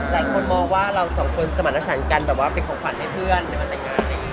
หลายคนมองว่าเราสองคนสมัครดังฉันกันเป็นของขวัญให้เพื่อนในบรรตนางาน